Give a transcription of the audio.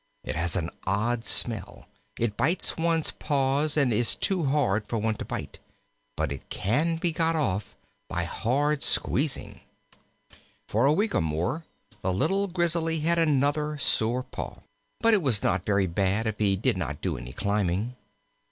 It has an odd smell. It bites one's paws and is too hard for one to bite. But it can be got off by hard squeezing." For a week or more the little Grizzly had another sore paw, but it was not very bad if he did not do any climbing.